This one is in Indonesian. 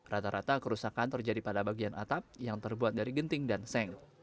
rata rata kerusakan terjadi pada bagian atap yang terbuat dari genting dan seng